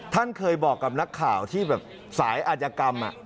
ท่านเคยบอกกับนักข่าวที่แบบสายอาจกรรม